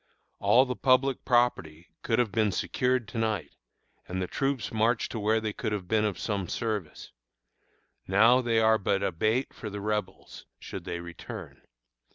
All the public property could have been secured to night, and the troops marched to where they could have been of some service. Now they are but a bait for the Rebels, should they return.